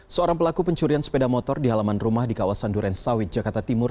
seorang pelaku pencurian sepeda motor di halaman rumah di kawasan duren sawit jakarta timur